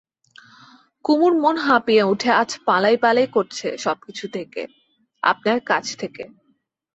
কুমুর মন হাঁপিয়ে উঠে আজ পালাই-পালাই করছে সব-কিছু থেকে, আপনার কাছ থেকে।